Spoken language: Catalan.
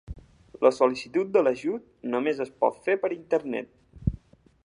La sol·licitud de l'ajut només es pot fer per internet.